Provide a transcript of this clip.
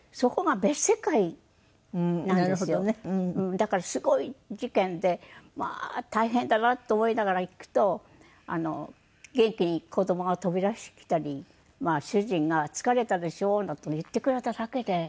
だからすごい事件でまあ大変だなと思いながら行くと元気に子供が飛び出してきたり主人が「疲れたでしょ？」なんていうのを言ってくれただけで。